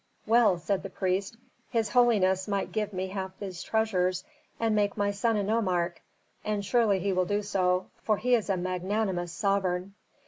"Well," said the priest, "his holiness might give me half these treasures and make my son a nomarch and surely he will do so, for he is a magnanimous sovereign."